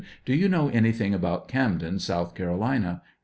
Do you know anything about Camden, South Carolina